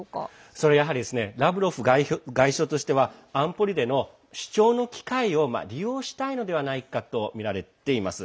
それは、やはりラブロフ外相としては安保理での主張の機会を利用したいではないかとみられています。